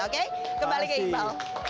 oke kembali ke iqbal